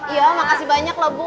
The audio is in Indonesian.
iya makasih banyak loh bu